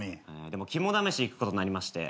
でも肝試し行くことになりまして。